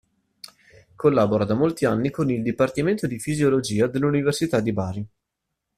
Collabora da molti anni con il Dipartimento di Fisiologia dell'Università di Bari.